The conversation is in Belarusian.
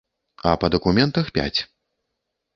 А па дакументах пяць.